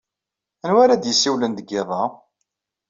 Anwa ara d-yessiwlen deg yiḍ-a?